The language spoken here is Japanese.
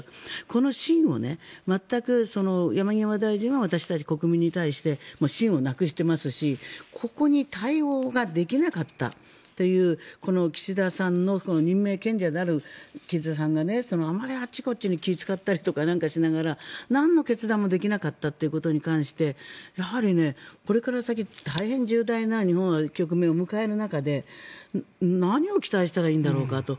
この信を山際大臣は私たち国民に対して信をなくしていますしここに対応ができなかったというこの岸田総理の任命権者である岸田さんがあまり、あちこちに気を使ったりしながらなんの決断もできなかったことに関してやはり、これから先大変重大な局面を日本は迎える中で何を期待したらいいんだろうかと。